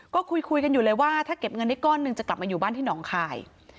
ก็คุยกันอยู่เลยว่าถ้าเก็บเงินได้ก้อนหนึ่งจะกลับมาอยู่บ้านที่หนองคาย